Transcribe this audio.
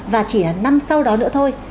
và chỉ là năm sau đó nữa thôi